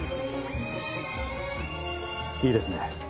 いいですね。